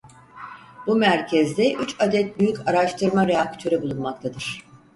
Bu merkezde üç adet büyük araştırma reaktörü bulunmaktadır.